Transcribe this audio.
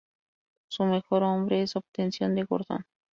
Su mejor hombre es Obtención de Gordon.